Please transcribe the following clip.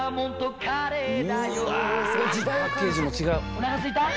おなかすいた？